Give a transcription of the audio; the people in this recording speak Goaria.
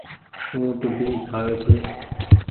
اُٽ ڀي کآوي ڇي۔